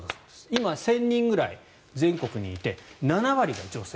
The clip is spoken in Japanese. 今、１０００人ぐらい全国にいて７割が女性。